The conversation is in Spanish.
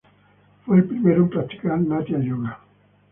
Fue el primero en practicar "natia-yoga".